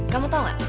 kamu tau gak